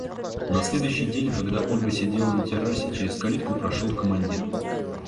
На следующий день, когда Ольга сидела на террасе, через калитку прошел командир.